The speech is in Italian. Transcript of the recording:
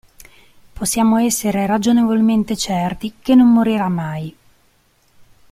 Possiamo essere ragionevolmente certi che non morirà mai.